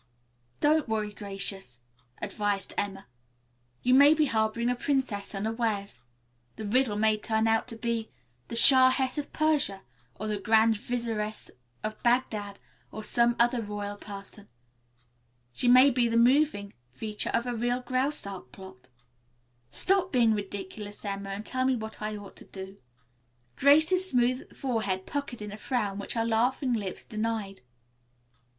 "Don't worry, Gracious," advised Emma, "you may be harboring a princess unawares. The Riddle may turn out to be the Shahess of Persia, or the Grand Vizieress of Bagdad or some other royal person. She may be the moving feature of a real Graustark plot." "Stop being ridiculous, Emma, and tell me what I ought to do." Grace's smooth forehead puckered in a frown which her laughing lips denied.